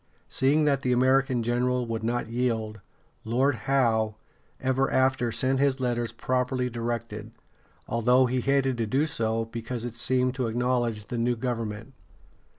Seeing that the American general would not yield, Lord Howe ever after sent his letters properly directed, although he hated to do so, because it seemed to acknowledge the new government.